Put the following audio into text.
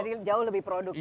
jadi jauh lebih produktif ya